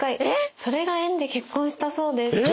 それが縁で結婚したそうです。え！